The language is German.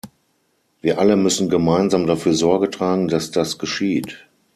Wir alle müssen gemeinsam dafür Sorge tragen, dass das geschieht.